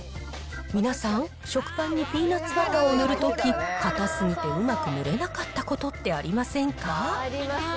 皆さん、食パンにピーナッツバターを塗るとき、固すぎてうまく塗れなかったことってありませんか？